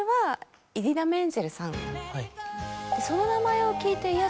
その名前を聞いて。